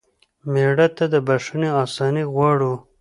مړه ته د بښنې آساني غواړو